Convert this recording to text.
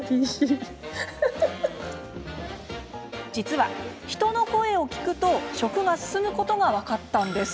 実は、人の声を聞くと食が進むことが分かったんです。